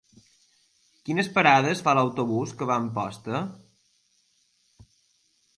Quines parades fa l'autobús que va a Amposta?